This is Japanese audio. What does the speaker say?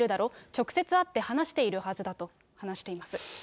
直接会って話しているはずだと話しています。